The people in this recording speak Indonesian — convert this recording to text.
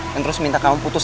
dan terus minta kamu putuskan